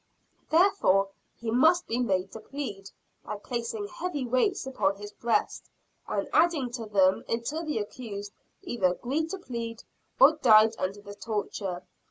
Therefore he must be made to plead by placing heavy weights upon his breast, and adding to them until the accused either agreed to plead, or died under the torture.